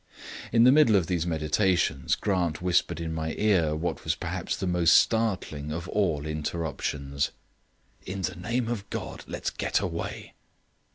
In the middle of these meditations, Grant whispered in my ear what was perhaps the most startling of all interruptions. "In the name of God, let's get away."